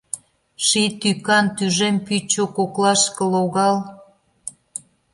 Ший тӱкан тӱжем пӱчӧ коклашке логал!